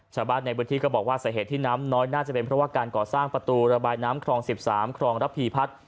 ชาวบ้านในพื้นที่ก็บอกว่าสาเหตุที่น้ำน้อยน่าจะเป็นเพราะว่าการก่อสร้างประตูระบายน้ำครอง๑๓ครองระพีพัฒน์